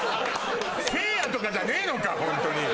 誠也とかじゃねえのかホントに。